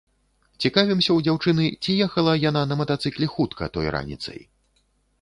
Цікавімся ў дзяўчыны, ці ехала яна на матацыкле хутка той раніцай.